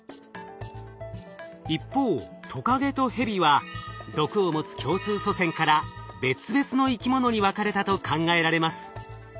一方トカゲとヘビは毒を持つ共通祖先から別々の生き物に分かれたと考えられます。